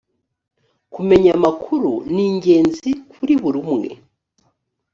kumenya amakuru ningenzi kuriburumwe.